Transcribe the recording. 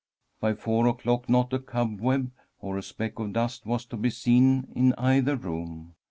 By four o'clock not a cobweb or a speck of dust was to be seen in either room.